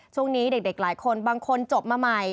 ช่วงนี้เด็กหลายคนบางคนจบมาใหม่